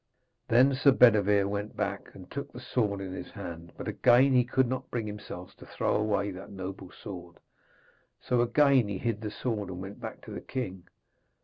Then Sir Bedevere went back and took the sword in his hand; but again he could not bring himself to throw away that noble sword, so again he hid the sword and went back to the king.